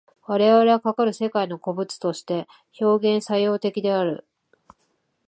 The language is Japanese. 我々はかかる世界の個物として表現作用的である。